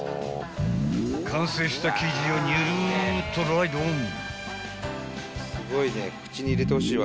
［完成した生地をニュルっとライドオン］